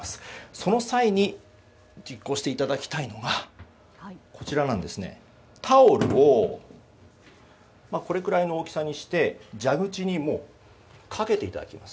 その際に実行していただきたいのがタオルをこれくらいの大きさにして蛇口にかけていただきます。